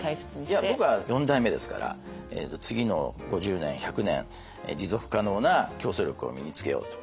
いや僕は４代目ですから次の５０年１００年持続可能な競争力を身につけようと。